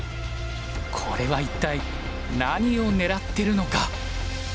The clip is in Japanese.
これは一体何を狙ってるのか。